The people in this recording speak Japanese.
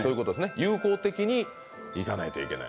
友好的にいかないといけない。